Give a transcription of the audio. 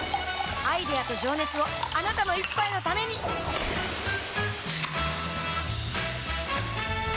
アイデアと情熱をあなたの一杯のためにプシュッ！